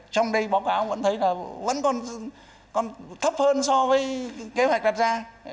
trong đây báo cáo vẫn thấy là vẫn còn thấp hơn so với kế hoạch đặt ra